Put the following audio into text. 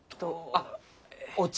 あっお茶！